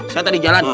saya tadi jalan